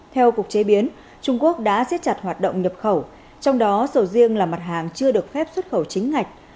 theo cục chế biến trung quốc đã xếp chặt hoạt động nhập khẩu trong đó sầu riêng là mặt hàng chưa được phép xuất khẩu chính ngạch